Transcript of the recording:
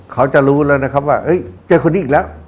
เขาจะรู้แล้วนะครับว่าเจอคนนี้อีกแล้ว